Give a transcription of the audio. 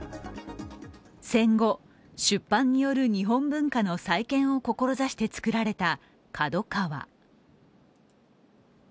戦後、出版による日本文化の再建を志して作られたＫＡＤＯＫＡＷＡ。